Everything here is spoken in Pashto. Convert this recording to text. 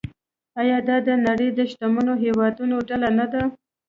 آیا دا د نړۍ د شتمنو هیوادونو ډله نه ده؟